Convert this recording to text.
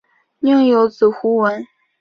宁有子胡虔。